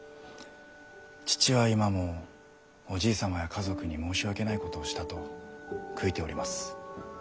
父は今もおじい様や家族に申し訳ないことをしたと悔いております。